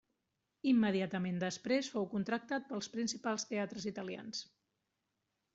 Immediatament després fou contractat pels principals teatres italians.